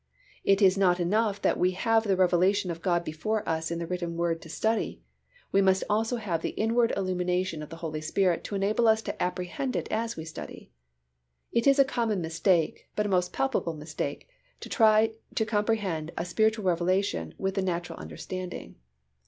It is not enough that we have the revelation of God before us in the written Word to study, we must also have the inward illumination of the Holy Spirit to enable us to apprehend it as we study. It is a common mistake, but a most palpable mistake, to try to comprehend a spiritual revelation with the natural understanding.